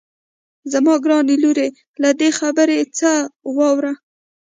زما ګرانې لورې له دې خبرې څخه واوړه.